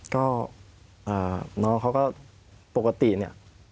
ก็น้องเขาก็ปกติเนี่ย